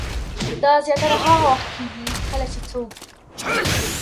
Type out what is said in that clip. دا زياتره هاغه وخت کيږي کله چې څوک